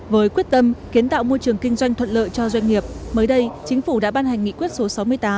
với quyết tâm kiến tạo môi trường kinh doanh thuận lợi cho doanh nghiệp mới đây chính phủ đã ban hành nghị quyết số sáu mươi tám